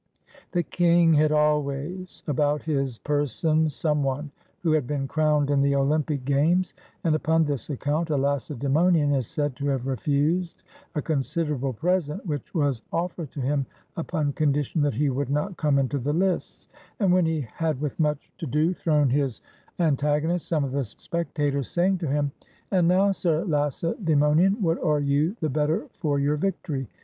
The king had always about his person some one who had been crowned in the Olympic games; and upon this account a Lacedaemonian is said to have refused a considerable present, which was of fered to him upon condition that he would not come into the lists; and when he had with much to do thrown his so HOW THE SPARTAN BOYS WERE TRAINED antagonist, some of the spectators saying to him, "And now. Sir Lacedasmonian, what are you the better for your victory?"